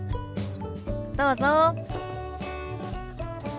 どうぞ。